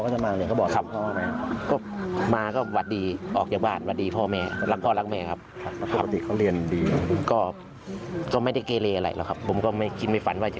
ตอนนี้ลูกคุณมาปรุกษาไหมครับเพราะว่าเค้าเคยมีปัญหา